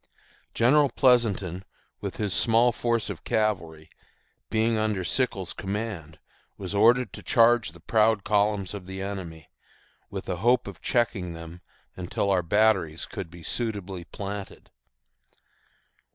General Pleasonton, with his small force of cavalry, being under Sickles' command, was ordered to charge the proud columns of the enemy, with the hope of checking them until our batteries could be suitably planted.